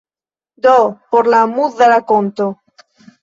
Do por la amuza rakonto.